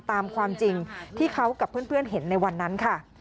ตามความจริงที่เขากับเพื่อนเห็นในวันนั้นค่ะ